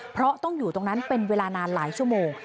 เพราะต้องอยู่ตรงนั้นเป็นเวลานานหลายชั่วโมง